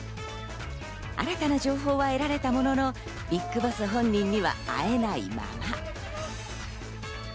新たな情報は得られたものの、ＢＩＧＢＯＳＳ本人には会えないまま。